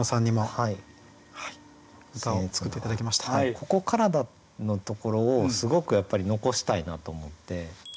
「ここからだ」のところをすごくやっぱり残したいなと思って。